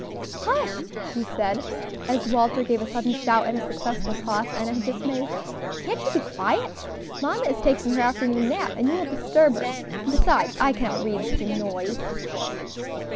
"Hush!" she said, as Walter gave a sudden shout at a successful toss Enna had just made; "can't you be quiet? Mamma is taking her afternoon nap, and you will disturb her; and, besides, I cannot read in such a noise."